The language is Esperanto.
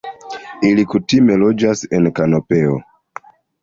Ili kutime loĝas en kanopeo.